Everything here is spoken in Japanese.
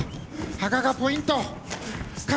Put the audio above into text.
羽賀がポイント。